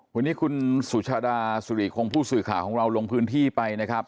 วันนี้คุณสุชาดาสุริคงผู้สื่อข่าวของเราลงพื้นที่ไปนะครับ